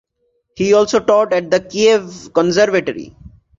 He also taught at the Kyiv Conservatory.